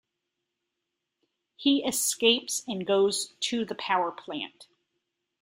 He escapes and goes to the power plant.